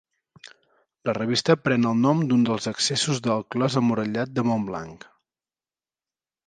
La revista pren el nom d'un dels accessos al clos emmurallat de Montblanc.